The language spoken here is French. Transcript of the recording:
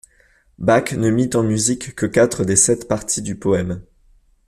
Bach ne mit en musique que quatre des sept parties du poème.